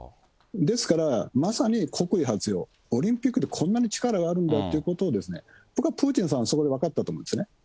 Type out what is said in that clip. ですから、まさに国威発揚、オリンピックにこんなに力があるんだっていうことを、僕はプーチンさん、そこで分かったと思うんですね。